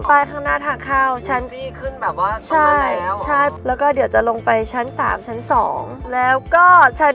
ป้ายข้างหน้าทางเข้า